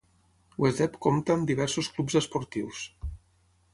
Wezep compta amb diversos clubs esportius.